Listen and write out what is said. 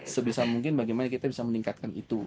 sebisa mungkin bagaimana kita bisa meningkatkan itu